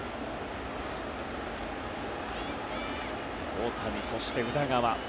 大谷、そして宇田川。